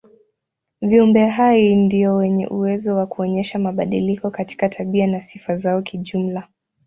Viumbe hai ndio wenye uwezo wa kuonyesha mabadiliko katika tabia na sifa zao kijumla.